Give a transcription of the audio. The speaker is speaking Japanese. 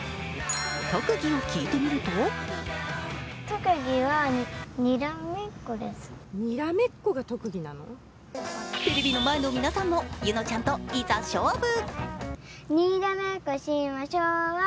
特技を聞いてみるとテレビの前の皆さんも柚乃ちゃんといざ勝負。